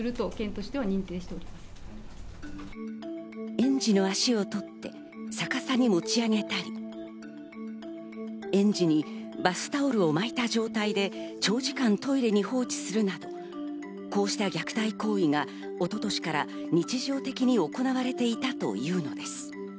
園児の足を取って逆さに持ち上げたり、園児にバスタオルを巻いた状態で長時間トイレに放置するなど、こうした虐待行為が一昨年から日常的に行われていたというのです。